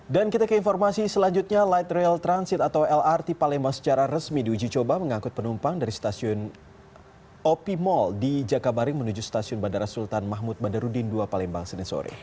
dan kita ke informasi selanjutnya light rail transit atau lrt palembang secara resmi di uji coba mengangkut penumpang dari stasiun op mall di jakabaring menuju stasiun bandara sultan mahmud bandarudin dua palembang senin sore